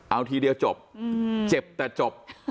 เอาทีเดียวจบเจ็บแต่จบ